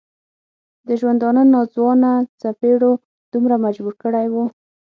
د ژوندانه ناځوانه څپېړو دومره مجبور کړی و.